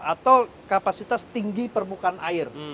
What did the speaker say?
atau kapasitas tinggi permukaan air